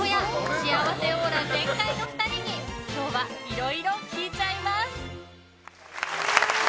幸せオーラ全開の２人に今日はいろいろ聞いちゃいます。